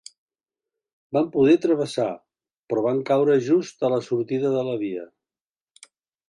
Van poder travessar però van caure just a la sortida de la via.